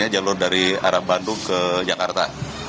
jalur dari arah bandung ke jakarta